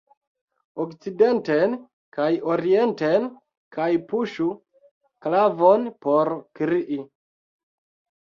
Okcidenten kaj orienten kaj puŝu klavon por krii.